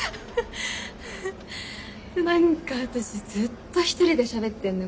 何か私ずっとひとりでしゃべってんね。